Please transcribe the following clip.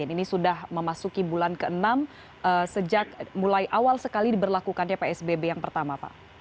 ini sudah memasuki bulan ke enam mulai awal sekali berlakukannya psbb yang pertama